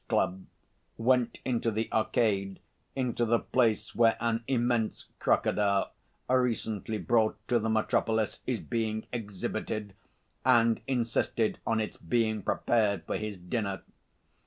Club, went into the Arcade, into the place where an immense crocodile recently brought to the metropolis is being exhibited, and insisted on its being prepared for his dinner.